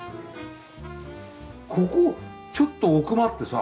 ここちょっと奥まってさ